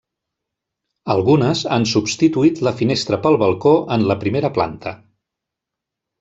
Algunes han substituït la finestra pel balcó en la primera planta.